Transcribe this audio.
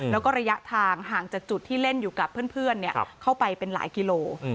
แล้วก็ระยะทางห่างจากจุดที่เล่นอยู่กับเพื่อนเข้าไปเป็นหลายกิโล